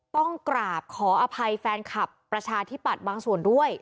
ต้องกราบขออภัยแฟนคลับประชาธิปัตย์บางส่วนด้วย